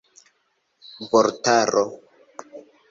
vortaro